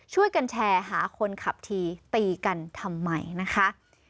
ช่วยกันแชร์หาคนขับทีตีกันทำไมนะคะ